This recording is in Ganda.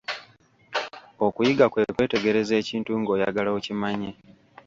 Okuyiga kwe kwetegereza ekintu ng'oyagala okimanye.